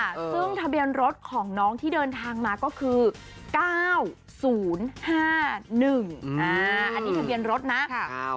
ซึ่งทะเบียนรถของน้องที่เดินทางมาก็คือ๙๐๕๑อันนี้ทะเบียนรถนะ